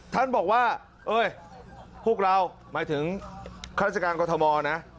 ท่านบอกว่าพวกเราหมายถึงคุณราชการกริมธรรมะนะ